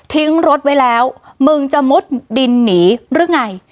ทิ้งรถไว้แล้วมึงจะมุดดินหนีหรือไง